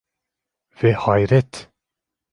Ve hayret!